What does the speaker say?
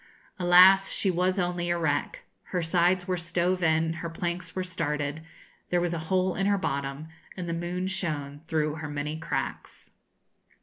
Alas! she was only a wreck. Her sides were stove in, her planks were started, there was a hole in her bottom, and the moon shone through her many cracks.